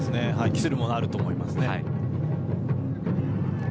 期するものがあると思います。